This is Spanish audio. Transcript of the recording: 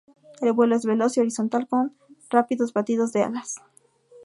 El vuelo es veloz y horizontal, con rápidos batidos de alas.